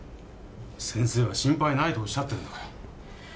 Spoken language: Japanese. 先生は心配ないとおっしゃってるんだから。